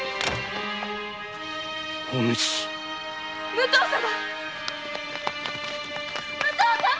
武藤様！